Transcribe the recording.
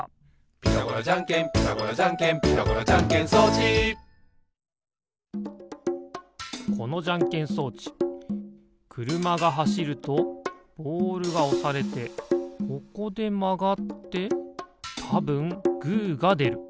「ピタゴラじゃんけんピタゴラじゃんけん」「ピタゴラじゃんけん装置」このじゃんけん装置くるまがはしるとボールがおされてここでまがってたぶんグーがでる。